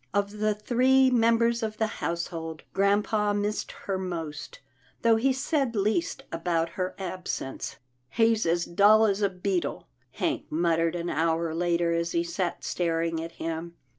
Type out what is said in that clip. Of the three members of the household, grampa missed her most, though he said least about her absence. " He's as dull as a beetle," Hank muttered an hour later, as he sat staring at him.